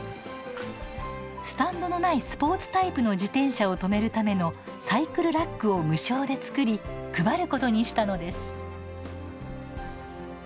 スタンドのないスポーツタイプの自転車を止めるためのサイクルラックを無償で作り配ることにしたのです。